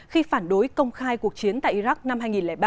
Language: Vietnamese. khi phản đối công khai cuộc chiến tại iraq năm hai nghìn ba